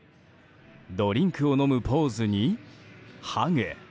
ドリンクを飲むポーズにハグ。